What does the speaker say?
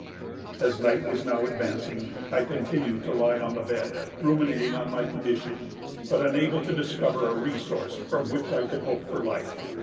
"As night was now advancing, I continued to lie on the bed, ruminating on my condition, but unable to discover a resource from which I could hope for life.